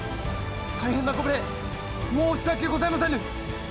大変なご無礼申し訳ございませぬ！